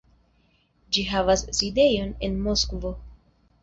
Ĝi havas sidejon en Moskvo.